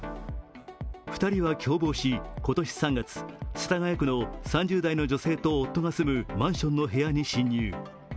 ２人は共謀し、今年３月、世田谷区の３０代の女性と夫が住むマンションの部屋に侵入。